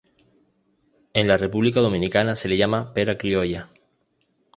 En República Dominicana se le llama "Pera Criolla".